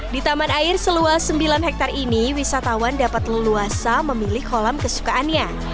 di taman air seluas sembilan hektare ini wisatawan dapat leluasa memilih kolam kesukaannya